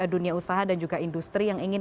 dunia usaha dan juga industri yang ingin